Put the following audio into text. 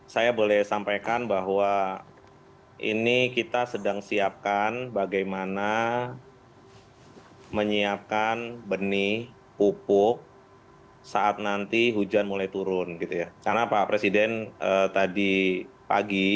selamat sore pak arief